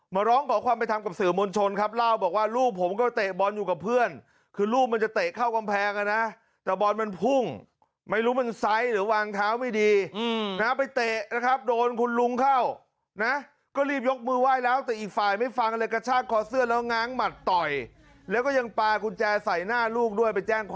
ร้องขอความไปทำกับสื่อมวลชนครับเล่าบอกว่าลูกผมก็เตะบอลอยู่กับเพื่อนคือลูกมันจะเตะเข้ากำแพงอ่ะนะแต่บอลมันพุ่งไม่รู้มันไซส์หรือวางเท้าไม่ดีนะไปเตะนะครับโดนคุณลุงเข้านะก็รีบยกมือไหว้แล้วแต่อีกฝ่ายไม่ฟังเลยกระชากคอเสื้อแล้วง้างหมัดต่อยแล้วก็ยังปลากุญแจใส่หน้าลูกด้วยไปแจ้งค